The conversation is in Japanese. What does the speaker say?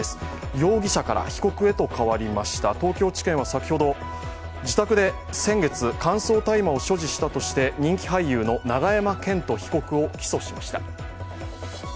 容疑者から被告へと変わりました東京地検は先ほど自宅で先月、乾燥大麻を所持したとして人気俳優の永山絢斗被告を起訴しました。